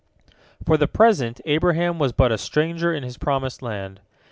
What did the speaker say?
For the present Abraham was but a stranger in his promised land.